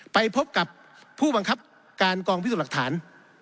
ไปพบกับผู้บังคับการกองพิสูจน์หลักฐาน